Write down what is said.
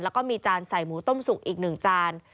แล้วก็มีจานใส่หมูต้มสุกอีก๑จาน